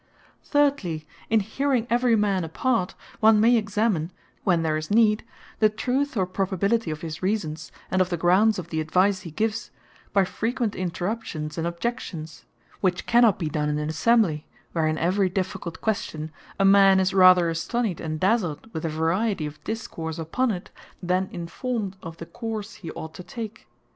Thirdly, in hearing every man apart, one may examine (when there is need) the truth, or probability of his reasons, and of the grounds of the advise he gives, by frequent interruptions, and objections; which cannot be done in an Assembly, where (in every difficult question) a man is rather astonied, and dazled with the variety of discourse upon it, than informed of the course he ought to take.